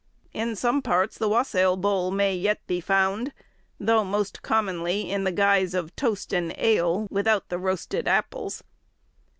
In some parts the wassail bowl may yet be found, though most commonly in the guise of toast and ale, without the roasted apples.